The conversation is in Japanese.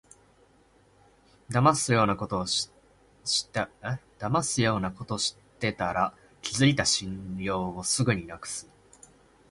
だますようなことしてたら、築いた信用をすぐになくす